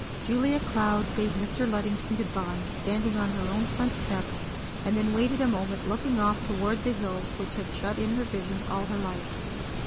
Julia Cloud bade Mr. Luddington good by, standing on her own front steps, and then waited a moment, looking off toward the hills which had shut in her vision all her life.